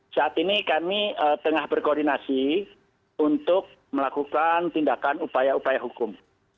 saat ini kami tengah berkoordinasi untuk melakukan tindakan upaya upaya hukum